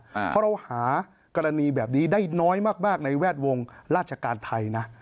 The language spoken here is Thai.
เพราะเราหากรณีแบบนี้ได้น้อยมากในแวดวงราชการไทยนะ